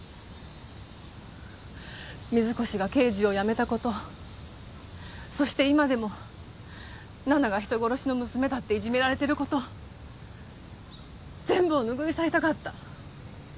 水越が刑事を辞めた事そして今でも奈々が人殺しの娘だっていじめられてる事全部を拭い去りたかった。